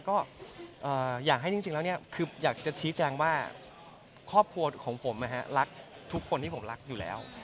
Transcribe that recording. ก็อยากให้จริงแล้วคืออยากจะชี้แจงว่าครอบครัวของผมรักทุกคนที่ผมรักอยู่แล้ว